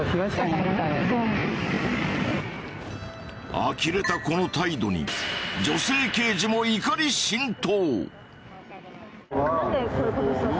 あきれたこの態度に女性刑事も怒り心頭。